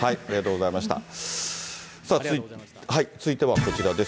続いてはこちらです。